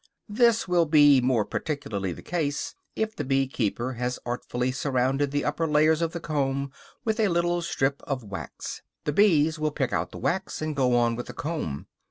This will be more particularly the case if the bee keeper has artfully surrounded the upper layers of the comb with a little strip of wax; the bees will pick out the wax, and go on with the comb.